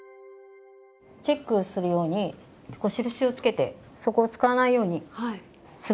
チェックをするように印を付けてそこを使わないようにするんですけど。